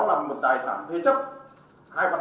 thì coi được tài sản đấy thuộc với cư dân